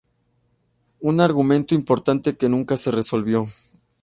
Un argumento importante que nunca se resolvió.